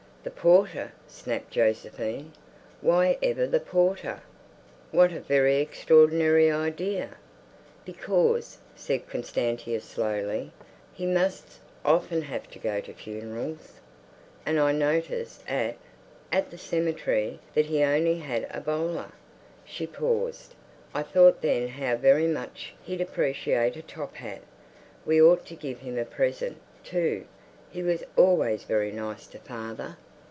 "The porter?" snapped Josephine. "Why ever the porter? What a very extraordinary idea!" "Because," said Constantia slowly, "he must often have to go to funerals. And I noticed at—at the cemetery that he only had a bowler." She paused. "I thought then how very much he'd appreciate a top hat. We ought to give him a present, too. He was always very nice to father."